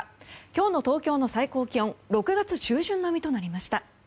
今日の東京の最高気温６月中旬並みとなりました。